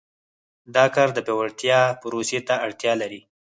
دا کار د پیاوړتیا پروسې ته اړتیا لري.